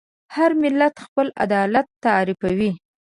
هر ملت خپل عدالت تعریفوي.